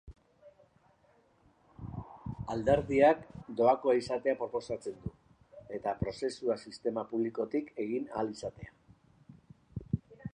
Alderdiak doakoa izatea proposatzen du, eta prozesua sistema publikotik egin ahal izatea.